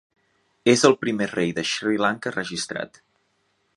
És el primer rei de Sri Lanka registrat.